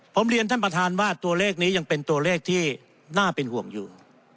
ผมเรียนท่านประธานว่าตัวเลขนี้ยังเป็นตัวเลขที่น่าเป็นห่วงอยู่